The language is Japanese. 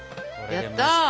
やった！